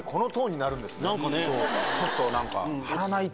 ちょっと何か。